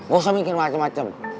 gak usah mikir macem macem